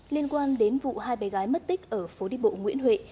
liên quan đến vụ hai bé gái mất tích ở phố đi bộ nguyễn huệ